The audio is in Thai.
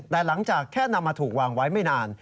แต่หลังจากแค่นำมาถูกวางไว้ไม่นาน